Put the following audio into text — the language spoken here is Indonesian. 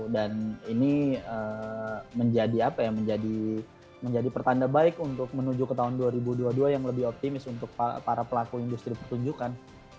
dan ini menjadi apa ya menjadi pertanda baik untuk menuju ke tahun dua ribu dua puluh dua yang lebih optimis untuk para pelaku industri pertunjukan